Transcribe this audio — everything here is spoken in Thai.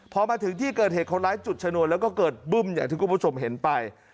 พอมาถึงที่เกิดเหตุคนร้ายจุดชนวนแล้วก็เกิดบึ้มอย่างที่คุณผู้ชมเห็นไป